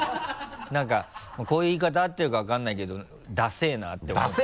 何かこういう言い方合ってるか分からないけどダセェなって思ったっていうか。